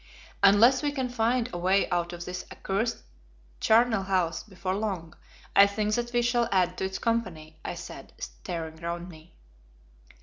"Unless we can find a way out of this accursed charnel house before long, I think that we shall add to its company," I said, staring round me.